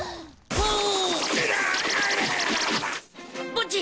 ボッジ！